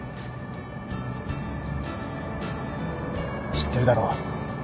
知ってるだろ？